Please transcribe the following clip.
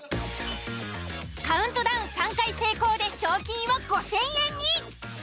カウントダウン３回成功で賞金は５，０００円に。